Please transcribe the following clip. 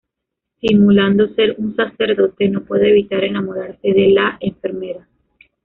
Simulando ser un sacerdote, no puede evitar enamorarse de la enfermera.